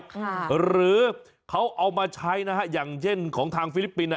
ค่ะหรือเขาเอามาใช้นะฮะอย่างเช่นของทางฟิลิปปินส์อ่ะ